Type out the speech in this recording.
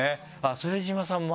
副島さんもある？